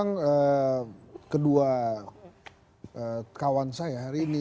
memang kedua kawan saya hari ini